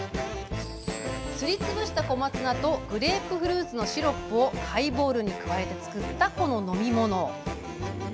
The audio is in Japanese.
すりつぶした小松菜とグレープフルーツのシロップをハイボールに加えて作ったこの飲み物。